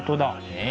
ねえ。